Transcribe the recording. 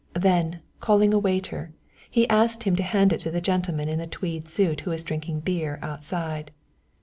Then, calling a waiter, he asked him to hand it to the gentleman in the tweed suit who was drinking beer outside.